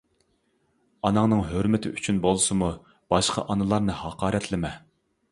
ئاناڭنىڭ ھۆرمىتى ئۈچۈن بولسىمۇ باشقا ئانىلارنى ھاقارەتلىمە.